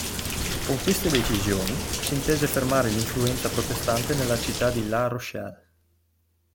Con queste decisioni si intese fermare l'influenza protestante nella città di La Rochelle.